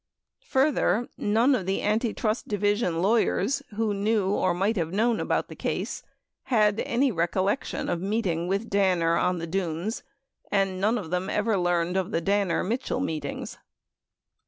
Further, none of the Antitrust Division lawyers who knew or might have known about the case had any recollection of meeting witb Danner on the Dunes, and none of them ever learned of the Danner Mitchell meetings.